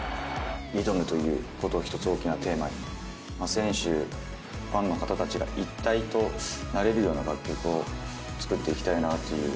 挑むということを一つ大きなテーマに、選手、ファンの方たちが一体となれるような楽曲を作っていきたいなという。